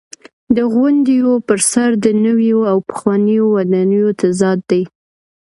د غونډیو پر سر د نویو او پخوانیو ودانیو تضاد دی.